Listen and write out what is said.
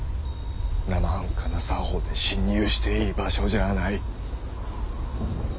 生半可な作法で侵入していい場所じゃあないッ。